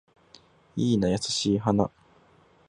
いいな優しい花